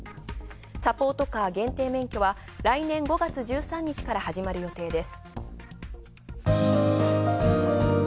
サポートカー限定免許は来年５月１３日から始まる予定です。